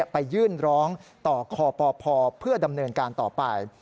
ไปยื่นร้องต่อคปพเพื่อดำเนินการต่อไป